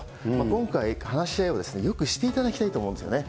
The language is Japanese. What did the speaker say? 今回、話し合いをよくしていただきたいと思うんですよね。